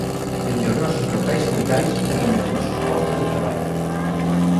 Dende os nosos locais sindicais ou dende os nosos postos de traballo.